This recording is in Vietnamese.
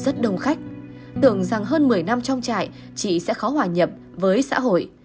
rất đông khách tưởng rằng hơn một mươi năm trong trại chị sẽ khó hòa nhập với xã hội